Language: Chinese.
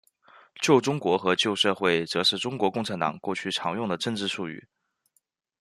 旧中国和旧社会则是中国共产党过去常用的政治术语。